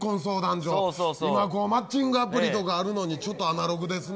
今マッチングアプリとかあるのにちょっとアナログですね。